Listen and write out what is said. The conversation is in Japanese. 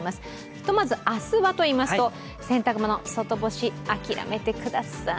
ひとまず明日はといいますと、洗濯物、外干し諦めてください。